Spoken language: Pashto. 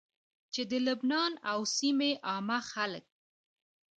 چې د لبنان او سيمي عامه خلک